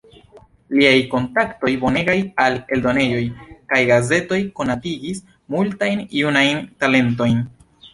Liaj kontaktoj bonegaj al eldonejoj kaj gazetoj konatigis multajn junajn talentojn.